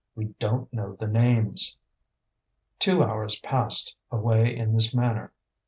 We don't know the names!" Two hours passed away in this manner.